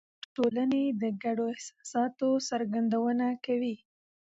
مېلې د ټولني د ګډو احساساتو څرګندونه کوي.